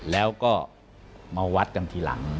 แล้วก็มาวัดกันทีหลัง